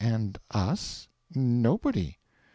and us... nobody."